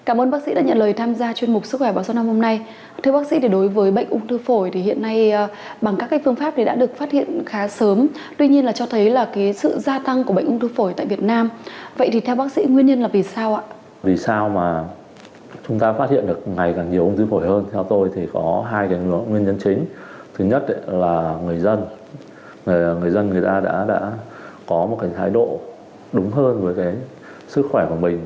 ngoài ra là người dân người dân người ta đã có một cái thái độ đúng hơn với cái sức khỏe của mình